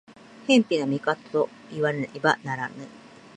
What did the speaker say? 偏頗な見方といわねばならぬ。